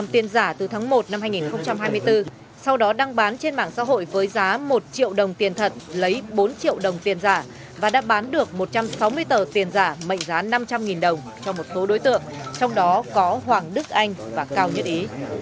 tiền giả từ tháng một năm hai nghìn hai mươi bốn sau đó đăng bán trên mạng xã hội với giá một triệu đồng tiền thật lấy bốn triệu đồng tiền giả và đã bán được một trăm sáu mươi tờ tiền giả mệnh giá năm trăm linh đồng cho một số đối tượng trong đó có hoàng đức anh và cao nhất ý